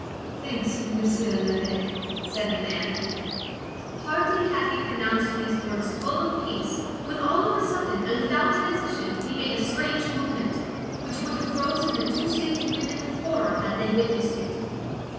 "Thanks, Monsieur l'Abbé," said the man. Hardly had he pronounced these words full of peace, when all of a sudden, and without transition, he made a strange movement, which would have frozen the two sainted women with horror, had they witnessed it.